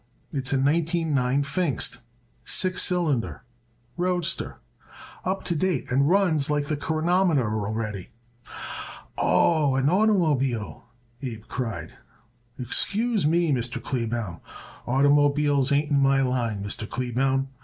It's a nineteen nine Pfingst, six cylinder roadster up to date and runs like a chronometer already." "Oh, an oitermobile!" Abe cried. "Excuse me, Mr. Kleebaum. Oitermobiles ain't in my line, Mr. Kleebaum.